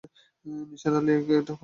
নিসার আলি একটি প্রশ্নও করলেন না।